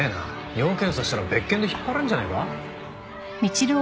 尿検査したら別件で引っ張れるんじゃねえか？